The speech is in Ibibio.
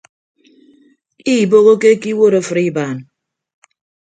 Iibohoke ke iwuot afịt ibaan.